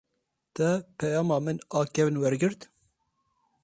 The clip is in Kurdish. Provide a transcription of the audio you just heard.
Te peyama min a kevin wergirt?